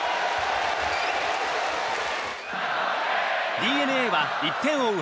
ＤｅＮＡは１点を追う